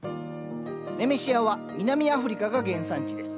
ネメシアは南アフリカが原産地です。